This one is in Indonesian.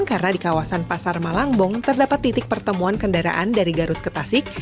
karena di kawasan pasar malangbong terdapat titik pertemuan kendaraan dari garut ke tasik